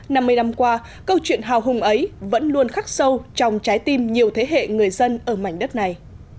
năm mươi năm qua câu chuyện hào hùng ấy vẫn luôn khắc sâu trong trái tim nhiều thế hệ người dân ở mảnh đất này